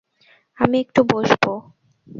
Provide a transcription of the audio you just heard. আমি একটু বসবো।